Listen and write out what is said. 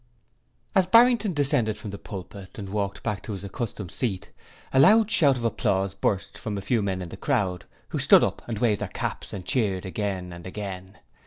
As Barrington descended from the Pulpit and walked back to his accustomed seat, a loud shout of applause burst from a few men in the crowd, who stood up and waved their caps and cheered again and again.